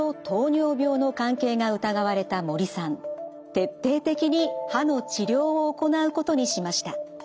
徹底的に歯の治療を行うことにしました。